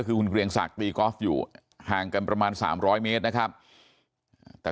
คือคุณเกรียงศักดิ์ตีกอล์ฟอยู่ห่างกันประมาณ๓๐๐เมตรนะครับแต่